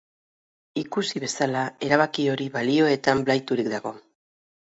Ikusi bezala, erabaki hori balioetan blaiturik dago.